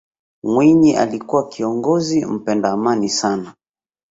mwinyi alikuwa kiongozi mpenda amani sana